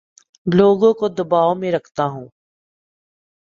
لوگوں کو دباو میں رکھتا ہوں